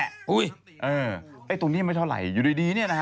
อุ๊ยทั้งปีนี้ไม่เท่าไหร่อยู่ดีเนี่ยนะฮะ